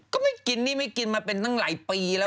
ก็ไม่กินนี่ไม่กินมาเป็นตั้งหลายปีแล้ว